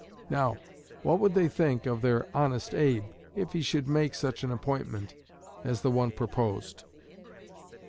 Now, what would they think of their honest Abe if he should make such an appointment as the one proposed?"